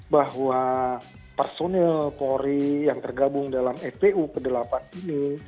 bahwa personil kori yang tergabung dalam fpu kedelapan ini